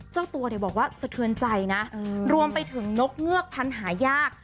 เจ้าตัวเนี่ยบอกว่าสะเทือนใจนะรวมไปถึงนกเงือกพันธุ์หายาก